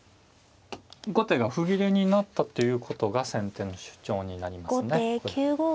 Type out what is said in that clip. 後手が歩切れになったということが先手の主張になりますね。